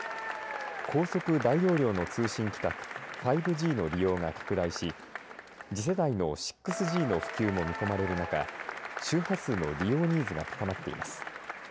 高速大容量の通信規格５Ｇの利用が拡大し次世代の６Ｇの普及も見込まれる中周波数の利用ニーズが高まっています。